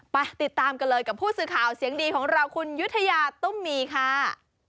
ไปติดตามกันเลยกับผู้สื่อข่าวเสียงดีของเราคุณยุธยาตุ้มมีค่ะ